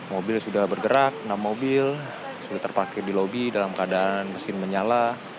mobil sudah bergerak enam mobil sudah terparkir di lobi dalam keadaan mesin menyala